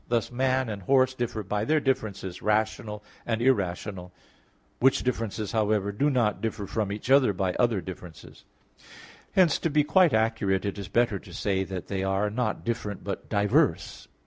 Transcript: Thus man and horse differ by their differences, rational and irrational; which differences, however, do not differ from each other by other differences. Hence, to be quite accurate, it is better to say that they are, not different, but diverse.